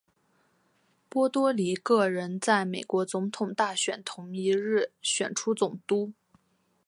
波多黎各人在美国总统大选同一日选出总督。